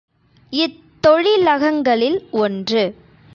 இத் தொழிலகங்களில் ஒன்று.